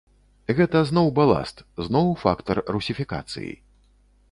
Гэта зноў баласт, зноў фактар русіфікацыі.